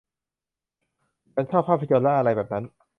ฉันชอบภาพยนตร์และอะไรแบบนั้น